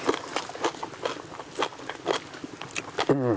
うん。